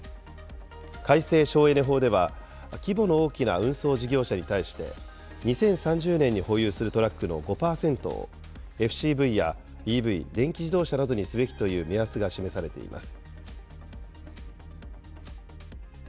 改正省エネ法では、規模の大きな運送事業者に対して、２０３０年に保有するトラックの５％を、ＦＣＶやＥＶ・電気自動車などにすべきという目安が示されています。